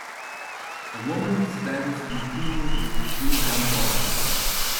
A woman stands in a pool with three young boys.